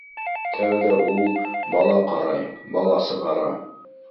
Тәүҙә ул бала ҡарай, бала сығара.